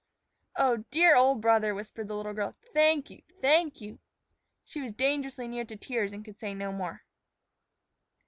"Oh, dear old brother," whispered the little girl, "thank you! thank you!" She was dangerously near to tears and could say no more.